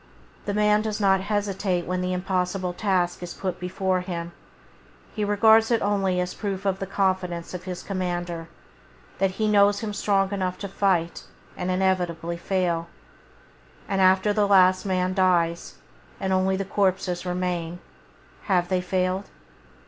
The man does not hesitate when the impossible task is put before him; he regards it only as a proof of the confidence of his commander, that he knows him strong enough to fight and inevitably fail. [Page 13] And after the last man dies, and only the corpses remain, have they failed